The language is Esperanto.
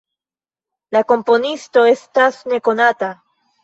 La komponisto estas nekonata.